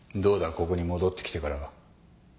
ここに戻ってきてからは。